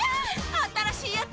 新しいやつ！